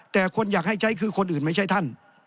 แต่คนอยากให้ใช้คือคนอื่นไม่ใช่ท่าน